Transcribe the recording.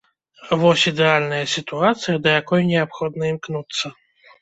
Вось ідэальная сітуацыя, да якой неабходна імкнуцца.